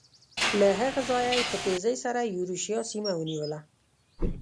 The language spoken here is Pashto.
له هغه ځایه یې په تېزۍ سره یورشیا سیمه ونیوله.